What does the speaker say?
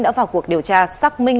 đã vào cuộc điều tra xác minh